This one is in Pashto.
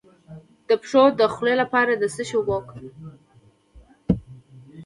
د پښو د خولې لپاره د څه شي اوبه وکاروم؟